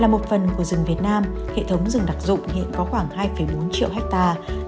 một phần của rừng việt nam hệ thống rừng đặc dụng hiện có khoảng hai bốn triệu hectare